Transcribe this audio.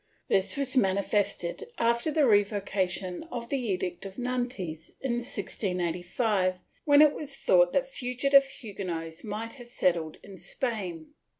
This was mani fested, after the revocation of the Edict of Nantes, in 1685, when it was thought that fugitive Huguenots might have settled in Spain.